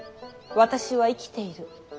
私は生きている。